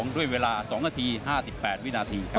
ด้วยเวลา๒นาที๕๘วินาทีครับ